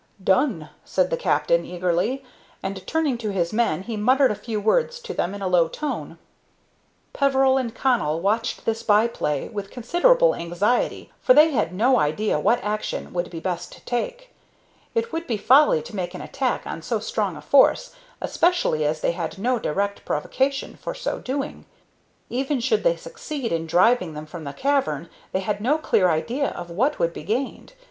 "Done!" said the captain, eagerly; and, turning to his men, he muttered a few words to them in a low tone. Peveril and Connell watched this by play with considerable anxiety, for they had no idea what action would be best to take. It would be folly to make an attack on so strong a force, especially as they had no direct provocation for so doing. Even should they succeed in driving them from the cavern, they had no clear idea of what would be gained.